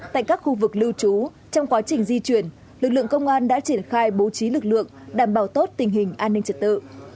tại các khu vực lưu trú trong quá trình di chuyển lực lượng công an đã triển khai bố trí lực lượng đảm bảo tốt tình hình an ninh trật tự